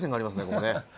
ここね。